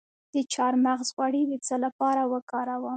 د چارمغز غوړي د څه لپاره وکاروم؟